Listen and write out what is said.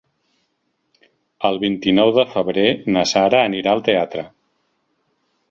El vint-i-nou de febrer na Sara anirà al teatre.